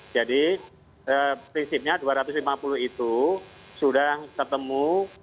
jadi prinsipnya dua ratus lima puluh itu sudah tertemu dua ratus empat puluh lima